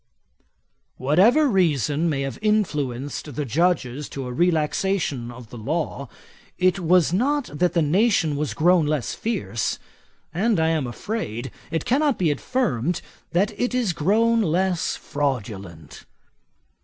'Whatever reason may have influenced the Judges to a relaxation of the law, it was not that the nation was grown less fierce; and, I am afraid, it cannot be affirmed, that it is grown less fraudulent.